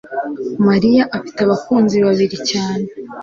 mariya afite abakunzi babiri cyane